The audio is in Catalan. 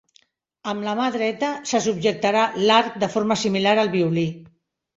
Amb la mà dreta, se subjectarà l’arc de forma similar al violí.